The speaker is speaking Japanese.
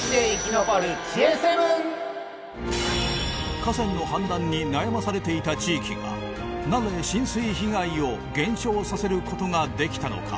河川の氾濫に悩まされていた地域がなぜ浸水被害を減少させることができたのか？